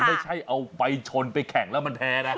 ไม่ใช่เอาใบชนไปแข่งแล้วมันแท้นะ